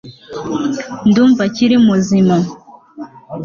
ndumva akiri muzima